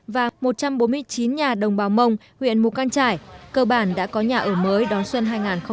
và một trăm bốn mươi chín nhà đồng bào mông huyện mù căn trải cơ bản đã có nhà ở mới đón xuân hai nghìn một mươi tám